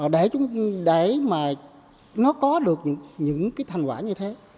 để mà nó có được những cái thành quả như thế